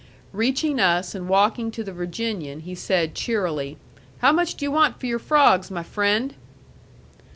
Reaching us and walking to the Virginian, he said cheerily, "How much do you want for your frogs, my friend?"